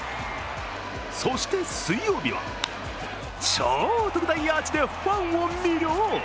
そして水曜日は、超特大アーチでファンを魅了。